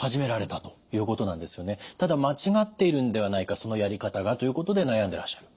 ただ間違っているんではないかそのやり方がということで悩んでらっしゃる。